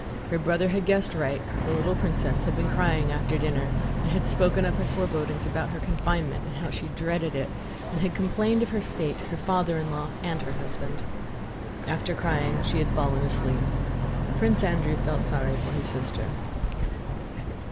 Her brother had guessed right: the little princess had been crying after dinner and had spoken of her forebodings about her confinement, and how she dreaded it, and had complained of her fate, her father in law, and her husband. After crying she had fallen asleep. Prince Andrew felt sorry for his sister.